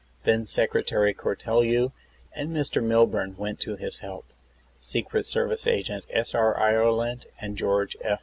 Then Secretary Cortelyou and Mr. Milbiirn w^ent to his help. Secret Service Agent S. R. Ireland and George F.